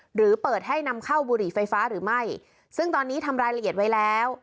หรือเปิดให้นำเข้าบุหรี่ไฟฟ้าหรือไม่ซึ่งตอนนี้ทำรายละเอียดไว้แล้ว